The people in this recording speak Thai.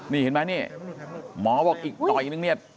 นี่เห็นไหมนี่หมอบอกอีกหน่อยนึงเนี่ย